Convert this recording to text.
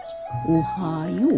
おはよう。